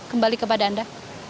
kembali kepada anda